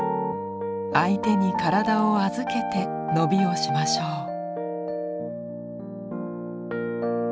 相手に体を預けて伸びをしましょう。